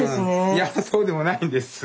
いやそうでもないんです。